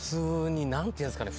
何ていうんですかね？